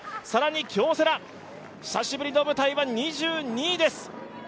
京セラ、久しぶりの舞台は２２位です。